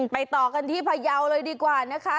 ต่อกันที่พยาวเลยดีกว่านะคะ